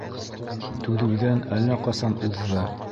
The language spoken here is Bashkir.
Түҙеүҙән әллә ҡасан уҙҙы.